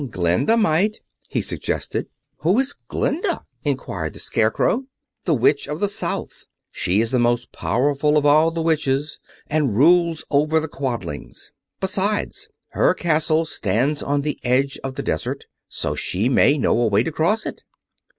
"Glinda might," he suggested. "Who is Glinda?" inquired the Scarecrow. "The Witch of the South. She is the most powerful of all the Witches, and rules over the Quadlings. Besides, her castle stands on the edge of the desert, so she may know a way to cross it."